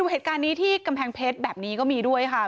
เหตุการณ์นี้ที่กำแพงเพชรแบบนี้ก็มีด้วยค่ะ